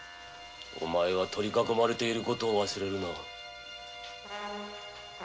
お前は取り囲まれている事を忘れるな！